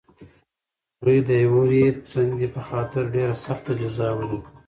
مرغۍ د یوې تندې په خاطر ډېره سخته جزا ولیده.